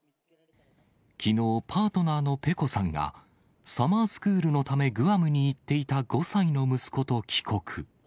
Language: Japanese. きのう、パートナーのペコさんが、サマースクールのため、グアムに行っていた５歳の息子と帰国。